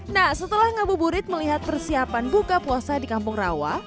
nah setelah ngabuburit melihat persiapan buka puasa di kampung rawa